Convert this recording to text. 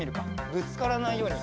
ぶつからないように。